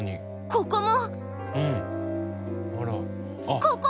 ここも！